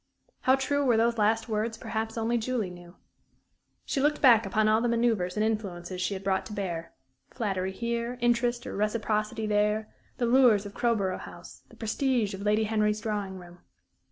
How true were those last words, perhaps only Julie knew. She looked back upon all the manoeuvres and influences she had brought to bear flattery here, interest or reciprocity there, the lures of Crowborough House, the prestige of Lady Henry's drawing room.